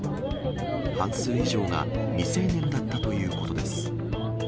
半数以上が未成年だったということです。